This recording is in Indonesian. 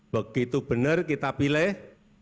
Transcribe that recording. begitu benar kita pilih